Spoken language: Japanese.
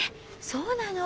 そうなの！